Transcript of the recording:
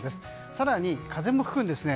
更に、風も吹くんですね。